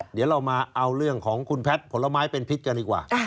เดี๋ยวเรามาเอาเรื่องของคุณแพทย์ผลไม้เป็นพิษกันดีกว่า